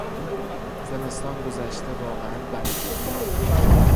زمستان گذشته واقعا بد بود.